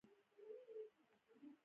کورس د زده کړو یوه لاره ده.